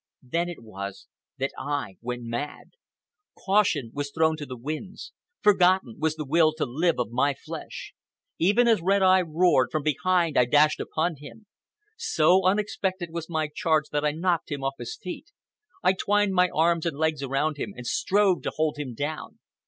Then it was that I went mad. Caution was thrown to the winds; forgotten was the will to live of my flesh. Even as Red Eye roared, from behind I dashed upon him. So unexpected was my charge that I knocked him off his feet. I twined my arms and legs around him and strove to hold him down.